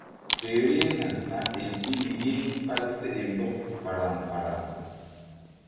Fe vbehna na ɓel ɓil ye fál seɗe mbɔk varaŋ varaŋ.